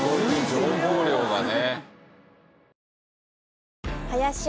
情報量がね。